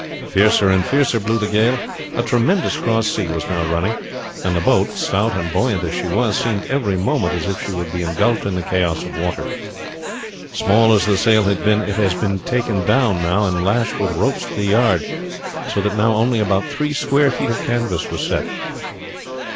Fiercer and fiercer blew the gale; a tremendous cross sea was now running, and the boat, stout and buoyant as she was, seemed every moment as if she would be engulfed in the chaos of water. Small as the sail had been it had been taken down and lashed with ropes to the yard, so that now only about three square feet of canvas was set.